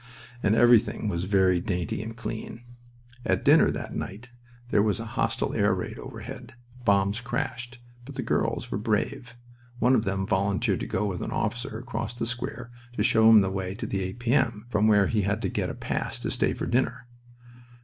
And everything was very dainty and clean. At dinner that night there was a hostile air raid overhead. Bombs crashed. But the girls were brave. One of them volunteered to go with an officer across the square to show him the way to the A.P.M., from where he had to get a pass to stay for dinner.